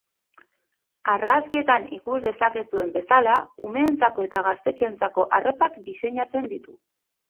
Argazkietan ikus dezakezuen bezala, umeentzako eta gaztetxoentzako arropak diseinatzen ditu.